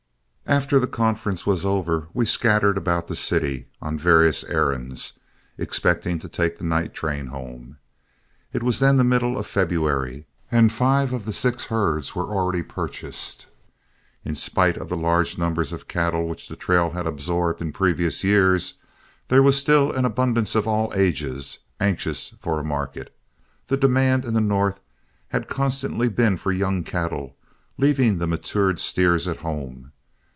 After the conference was over, we scattered about the city, on various errands, expecting to take the night train home. It was then the middle of February, and five of the six herds were already purchased. In spite of the large numbers of cattle which the trail had absorbed in previous years, there was still an abundance of all ages, anxious for a market. The demand in the North had constantly been for young cattle, leaving the matured steers at home.